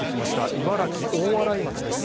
茨城・大洗町です。